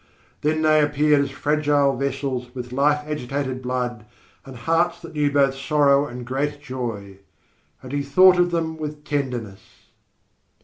Then they appeared as fragile vessels with life agitated blood, and hearts that knew both sorrow and great joy. And he thought of them with tenderness.